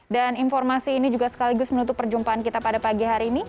dan informasi ini juga sekaligus menutup perjumpaan kita pada pagi hari ini